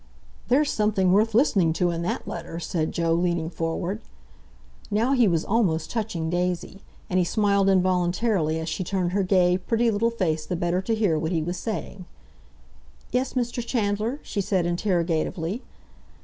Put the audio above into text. "There's something worth listening to in that letter," said Joe, leaning forward. Now he was almost touching Daisy, and he smiled involuntarily as she turned her gay, pretty little face the better to hear what he was saying. "Yes, Mr. Chandler?" she said interrogatively.